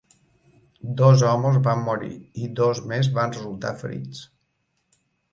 Dos homes van morir i dos més van resultar ferits.